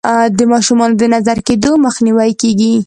د ماشومانو د نظر کیدو مخنیوی کیږي.